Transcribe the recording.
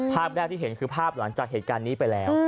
ภาพแรกที่เห็นคือภาพหลังจากเหตุการณ์นี้ไปแล้ว